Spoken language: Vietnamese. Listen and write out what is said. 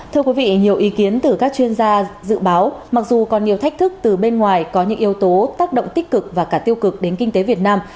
thưa quý vị nhiều ý kiến từ các chuyên gia dự báo mặc dù còn nhiều thách thức từ bên ngoài có những yếu tố tác động tích cực và cả tiêu cực đến kinh tế việt nam